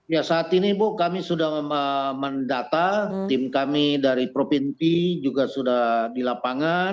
ya saat ini bu kami sudah mendata tim kami dari provinsi juga sudah di lapangan